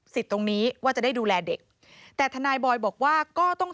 ตรงนี้ว่าจะได้ดูแลเด็กแต่ทนายบอยบอกว่าก็ต้อง